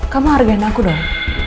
kamu hargain aku dong